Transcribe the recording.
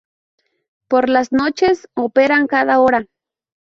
Por las noches, operan cada hora.